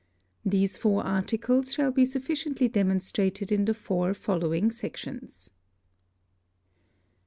These four Articles shall be sufficiently demonstrated in the four following Sections.